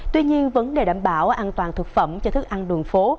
tuy nhiên vấn đề đảm bảo an toàn thực phẩm cho thức ăn đường phố